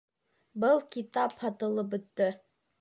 Был китап һатылып бөттө